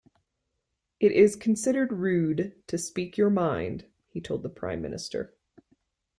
It is considered rude to speak your mind, he told the Prime Minister.